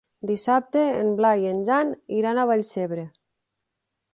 Dissabte en Blai i en Jan iran a Vallcebre.